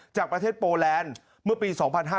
จากประเทศโปแลนด์เมื่อปี๒๕๕๙